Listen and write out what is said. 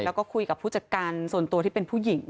แล้วก็คุยกับผู้จัดการส่วนตัวที่เป็นผู้หญิง